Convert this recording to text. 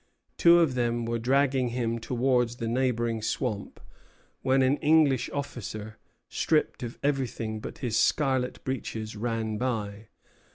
Two of them were dragging him towards the neighboring swamp, when an English officer, stripped of everything but his scarlet breeches, ran by.